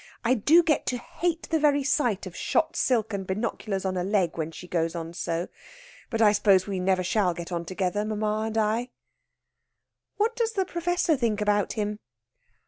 I do get to hate the very sight of shot silk and binoculars on a leg when she goes on so. But I suppose we never shall get on together mamma and I." "What does the Professor think about him?"